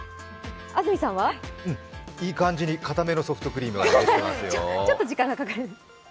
うん、いい感じにかためのソフトクリームにできてますよ。